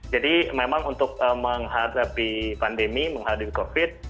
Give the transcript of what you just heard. jadi memang untuk menghadapi pandemi menghadapi covid